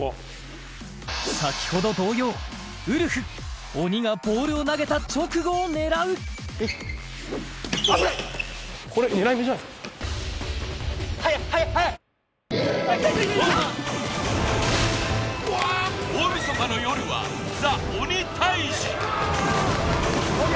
さきほど同様ウルフ鬼がボールを投げた直後を狙う危ないはやいはやいはやい